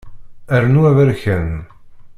Rnu aberkan.